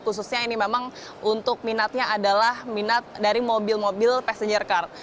khususnya ini memang untuk minatnya adalah minat dari mobil mobil passenger car